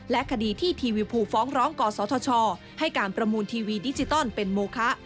คดีที่ทีวีภูฟ้องร้องกศธชให้การประมูลทีวีดิจิตอลเป็นโมคะ